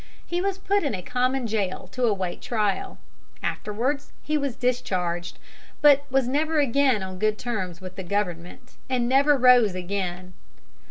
He was put in a common jail to await trial. Afterwards he was discharged, but was never again on good terms with the government, and never rose again.